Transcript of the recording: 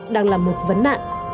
đang là một vấn nạn